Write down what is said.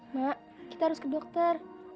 mbak kita harus ke dokter